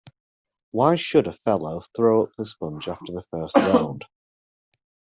Why should a fellow throw up the sponge after the first round.